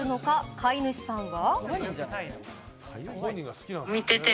飼い主さんは。